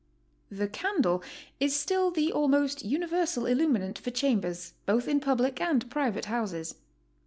The candle is still the almost universal illuminant for chambers, both in public and private houses.